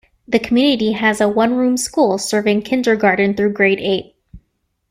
The community has a one-room school serving kindergarten through grade eight.